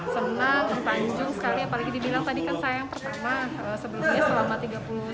senang tersanjung sekali apalagi dibilang tadi kan saya yang pertama